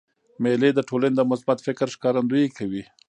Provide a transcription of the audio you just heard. مېلې د ټولني د مثبت فکر ښکارندویي کوي.